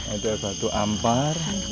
ini batu kembar